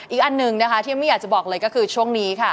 อีกอันหนึ่งนะคะที่ไม่อยากจะบอกเลยก็คือช่วงนี้ค่ะ